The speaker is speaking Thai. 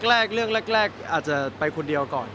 แรกเรื่องแรกอาจจะไปคนเดียวก่อน